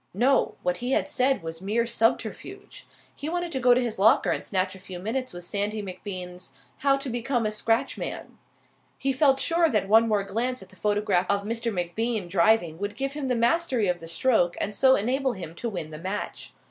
No! What he had said was mere subterfuge. He wanted to go to his locker and snatch a few minutes with Sandy MacBean's "How to Become a Scratch Man". He felt sure that one more glance at the photograph of Mr. MacBean driving would give him the mastery of the stroke and so enable him to win the match.